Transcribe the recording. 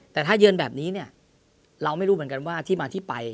แต่ถ้าเยินแบบนี้เราไม่รู้เหมือนกันว่ามาที่ไฟ